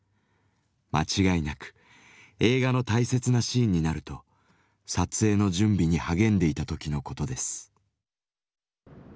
間違いなく映画の大切なシーンになると撮影の準備に励んでいた時のことです。